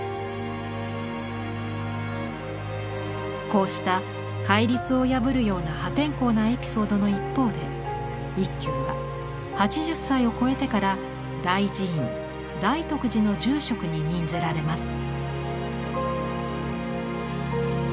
こうした戒律を破るような破天荒なエピソードの一方で一休は８０歳を超えてから大寺院大徳寺の住職に任ぜられます。